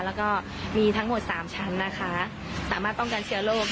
แล้วก็มีทั้งหมด๓ชั้นนะคะสามารถป้องกันเชื้อโรค